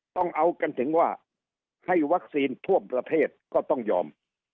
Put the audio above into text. ต้องเอากันถึงว่าให้วัคซีนทั่วประเทศก็ต้องยอม